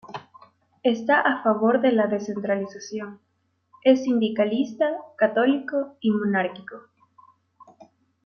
Está a favor de la descentralización, es sindicalista, católico y monárquico.